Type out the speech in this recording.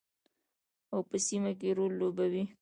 او په سیمه کې رول لوبوي.